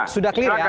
sudah clear ya